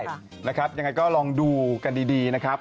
ยังไงก็ลองดูกันดีนะครับ